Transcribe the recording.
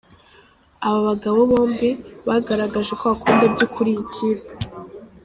Aba bagabo bombi, bagaragaje ko bakunda byukuri iyi kipe.